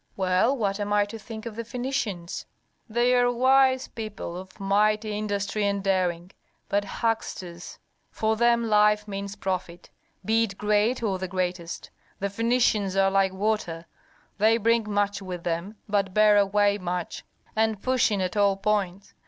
"Well, what am I to think of the Phœnicians?" "They are wise people of mighty industry and daring, but hucksters: for them life means profit, be it great or the greatest. The Phœnicians are like water: they bring much with them, but bear away much, and push in at all points.